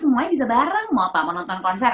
semuanya bisa bareng mau apa mau nonton konser